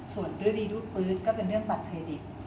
ส่วนฤดีรูดปื๊ดก็เป็นเรื่องบัตรเครดิต